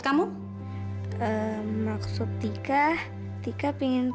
kamu udah pulang sekolah